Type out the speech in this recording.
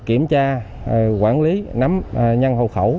đi kiểm tra quản lý nắm nhân hậu khẩu